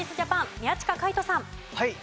宮近海斗さん。